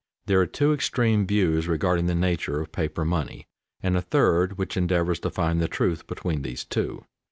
_ There are two extreme views regarding the nature of paper money, and a third which endeavors to find the truth between these two.